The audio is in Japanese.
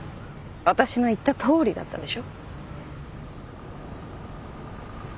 私の言ったとおりだったでしょ。